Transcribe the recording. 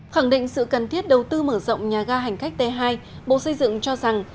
khẳng định sự cần thiết đầu tư mở rộng nhà ga hành khách t hai bộ xây dựng cho rằng